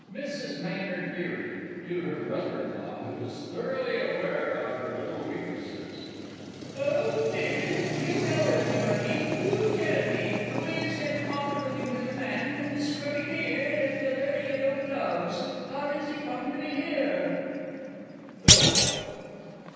_ MRS. MAYNARD GERY (to her Brother in law who is thoroughly aware of her little weaknesses). Oh, Phil, you know everybody do tell me! Who is that common looking little man with the scrubby beard, and the very yellow gloves how does he come to be here? PHIL.